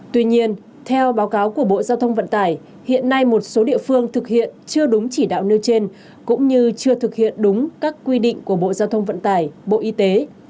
tuy nhiên theo báo cáo của bộ giao thông vận tải hiện nay một số địa phương thực hiện chưa đúng chỉ đạo nêu trên cũng như chưa thực hiện đúng các quy định của bộ giao thông vận tải bộ y tế